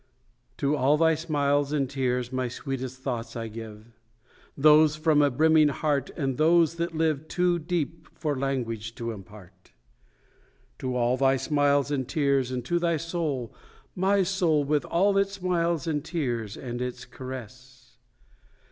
XV To all thy smiles and tears My sweetest thoughts I give, Those from a brimming heart, And those that live Too deep for language to impart. To all thy smiles and tears, And to thy soul, my soul, With all its smiles and tears, And its caress.